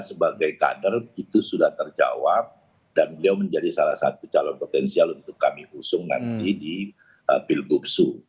sebagai kader itu sudah terjawab dan beliau menjadi salah satu calon potensial untuk kami usung nanti di pilgub su